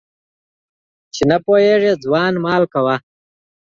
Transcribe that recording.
چي نه پوهېږي ځوان مال کوه.